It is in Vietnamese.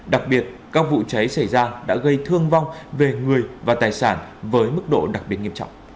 đặc biệt các vụ cháy xảy ra đã gây thương vong về người và tài sản với mức độ đặc biệt nghiêm trọng